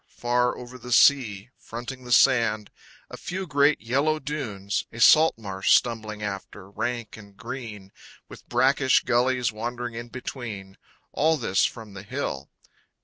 Far over is the sea, Fronting the sand, a few great yellow dunes, A salt marsh stumbling after, rank and green, With brackish gullies wandering in between, All this from the hill.